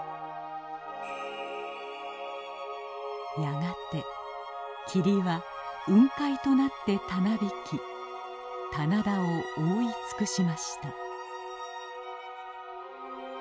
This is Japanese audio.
やがて霧は雲海となってたなびき棚田を覆いつくしました。